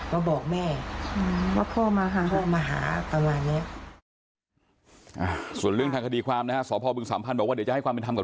ตื่นตื่นมาตื่นแล้วเห็นไง